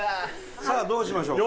さあどうしましょうか？